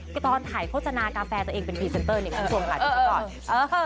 ก็ตอนถ่ายโฆษณากาแฟตัวเองเป็นพรีเซนเตอร์เนี่ยคุณส่วนขาดดูก่อน